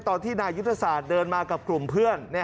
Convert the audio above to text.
ตอนที่นายยุทธศาสตร์เดินมากับกลุ่มเพื่อน